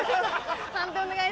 判定お願いします。